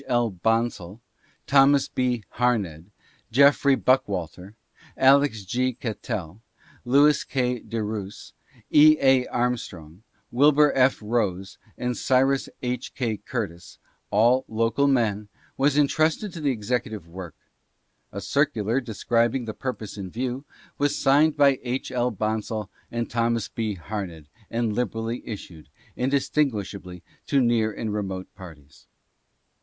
L. Bonsall, Thomas B. Harned, Geoffrey Buckwalter, Alex. G. Cattell, Louis T. Derousse, E. A. Armstrong, Wilbur F. Rose and Cyrus H. K. Curtis — all local men — was intrusted with the executive work. A circular, describing the purpose in view, was signed by H. L. Bonsall and Thomas B. Harned, and liberally issued, indistin guishably to near and remote parties.